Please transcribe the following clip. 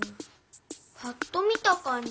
ぱっと見たかんじ